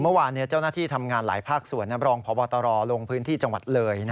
เมื่อวานเจ้าหน้าที่ทำงานหลายภาคส่วนรองพบตรลงพื้นที่จังหวัดเลย